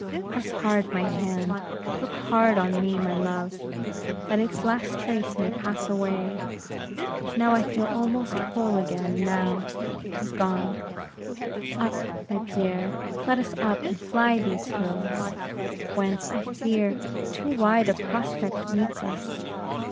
Press hard my hand; look hard on me, my love, that its last trace may pass away. Now I feel almost whole again; now, 'tis gone. Up, my Pierre; let us up, and fly these hills, whence, I fear, too wide a prospect meets us.